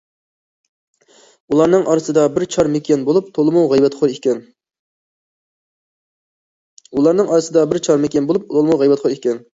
ئۇلارنىڭ ئارىسىدا بىر چار مېكىيان بولۇپ تولىمۇ غەيۋەتخور ئىكەن.